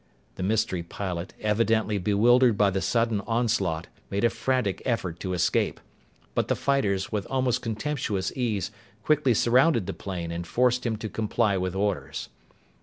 The mystery pilot, evidently bewildered by the sudden onslaught, made a frantic effort to escape. But the fighters, with almost contemptuous ease, quickly surrounded the plane and forced him to comply with orders.